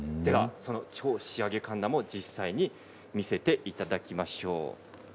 超仕上げかんなも見せていただきましょう。